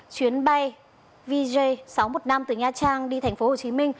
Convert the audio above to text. chuyến bay vj sáu trăm một mươi năm từ nha trang đi tp hcm